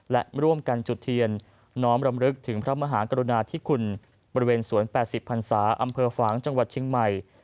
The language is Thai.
และร่วมกันจุดเทียนน้อมรำลึกถึงพระมหากรุณาธิคุณบริเวณสวน๘๐พันศาอำเภอฝางจังหวัดเชียงใหม่